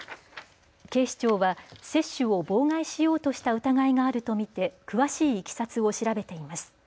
警視庁は接種を妨害しようとした疑いがあると見て詳しいいきさつを調べています。